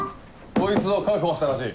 こいつを確保したらしい。